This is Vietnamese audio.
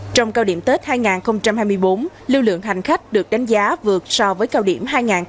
trong cao điểm tết hai nghìn hai mươi bốn lưu lượng hành khách được đánh giá vượt so với cao điểm hai nghìn hai mươi ba